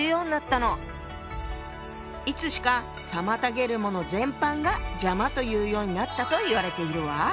いつしか妨げるもの全般が「邪魔」というようになったといわれているわ。